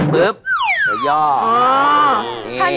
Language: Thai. ปุ๊บเดี๋ยวย่อ